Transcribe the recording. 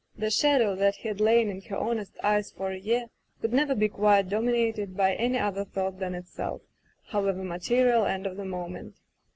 The shadow that had lain in her honest eyes for a year could never be quite dominated by any other thought than itself, however material and of the moment.